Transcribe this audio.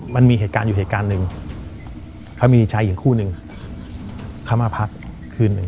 มันมีเหตุการณ์อยู่เหตุการณ์หนึ่งเขามีชายหญิงคู่หนึ่งเขามาพักคืนหนึ่ง